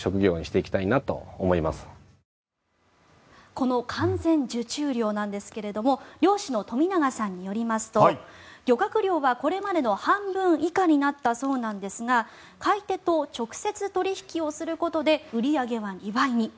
この完全受注漁なんですが漁師の富永さんによりますと漁獲量はこれまでの半分以下になったそうなんですが買い手と直接取引をすることで売り上げは２倍に。